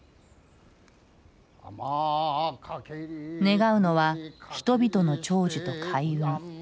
願うのは人々の長寿と開運。